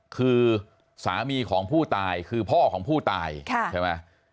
คือสามีของผู้ตายคือพ่อของผู้ตายใช่ไหม